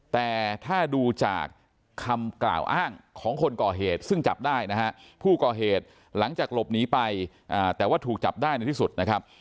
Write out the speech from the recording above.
แต่ถ้าดูจากคำกล่าวอ้างของคนก่อเหตุซึ่งจับได้นะฮะผู้ก่อเหตุหลังจากหลบหนีไปแต่ว่าถูกจับได้ในที่สุดนะครับ